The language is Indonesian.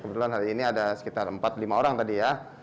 kebetulan hari ini ada sekitar empat lima orang tadi ya